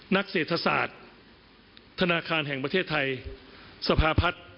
นักเศรษฐศาสตร์ธนาคารแห่งประเทศไทยสภาพัฒน์